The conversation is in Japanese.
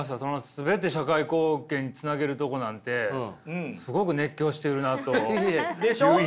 全て社会貢献につなげるとこなんてすごく熱狂してるなという印象でした。